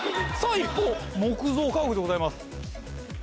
一方木造家屋でございます。